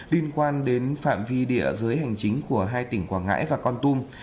liên quan đến phạm vi địa giới hành chính của hai tỉnh quảng ngãi và con tum